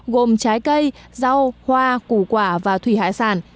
gồm trái cây rau hoa củ quả và thủy hải sản